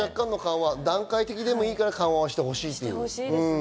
段階的でもいいから緩和してほしいということですね。